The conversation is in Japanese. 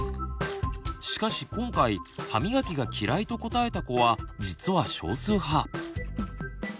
しかし今回「歯みがきが嫌い」と答えた子は実は少数派。